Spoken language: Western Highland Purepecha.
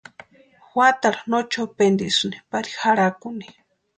Juatarhu no chopentisïnti pari jarhakuni.